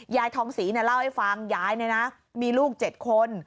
ยายทองศรีเล่าให้ฟังยายมีลูก๗คน